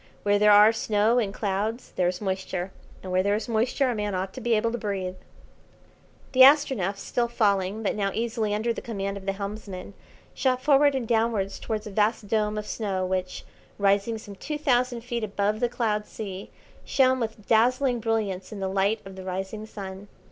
Where there are snow and clouds there is moisture, and where there is moisture a man ought to be able to breathe." [Illustration: Snow peaks and cloud seas.] The Astronef, still falling, but now easily under the command of the helmsman, shot forwards and downwards towards a vast dome of snow which, rising some two thousand feet above the cloud sea, shone with dazzling brilliance in the light of the rising Sun.